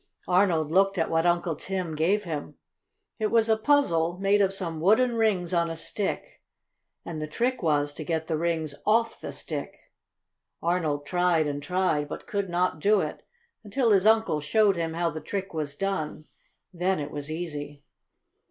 Arnold looked at what Uncle Tim gave him. It was a puzzle, made of some wooden rings on a stick, and the trick was to get the rings off the stick. Arnold tried and tried but could not do it until his uncle showed him how the trick was done. Then it was easy.